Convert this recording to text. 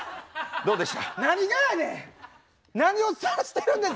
どうした？